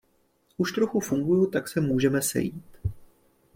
Už trochu funguju, tak se můžeme sejít.